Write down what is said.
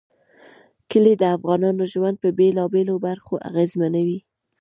کلي د افغانانو ژوند په بېلابېلو برخو اغېزمنوي.